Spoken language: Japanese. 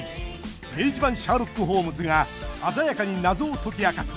明治版シャーロック・ホームズが鮮やかに謎を解き明かす